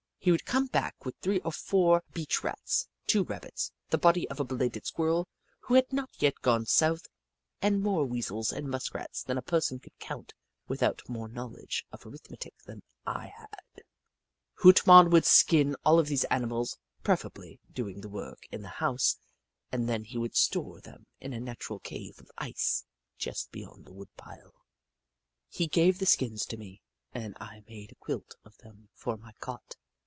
He would come back with three or four beach Rats, two Rabbits, the body of a belated Squirrel who had not yet gone south, and more Weasels and Musk rats that a person could count without more knowledge of arithmetic than I had. Hoot Mon would skin all of these animals, prefer ably doing the work in the house, and then he would store them in a natural cave of ice just beyond the wood pile. He gave the skins to me, and I made a quilt of them for my cot.